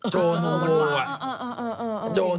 โจหนูโตอะเหอะ